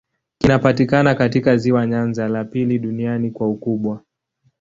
Kinapatikana katika ziwa Nyanza, la pili duniani kwa ukubwa.